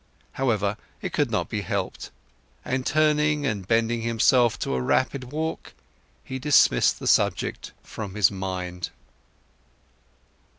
However, it could not be helped, and turning, and bending himself to a rapid walk, he dismissed the subject from his mind.